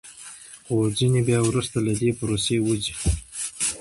خو ځینې بیا وروسته له دې پروسې وځي